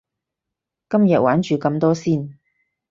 今日玩住咁多先